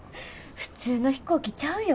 普通の飛行機ちゃうよ。